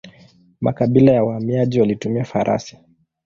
Makabila ya wahamiaji walitumia farasi.